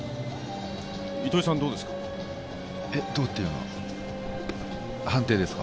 糸井さん、どうですか。